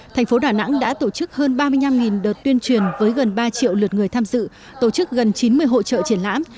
thành phố đà nẵng đã tổ chức hơn ba mươi năm đợt tuyên truyền với gần ba triệu lượt người tham dự tổ chức gần chín mươi hội trợ triển lãm